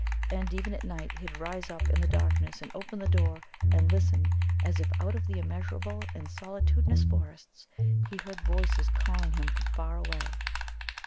And even at night he'd rise up in the darkness and open the door and listen as if out of the immeasurable and solitudinous forests he heard voices calling him from far away.